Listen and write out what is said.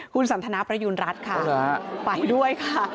คุณสันทนาประยูณรัฐค่ะไปด้วยค่ะ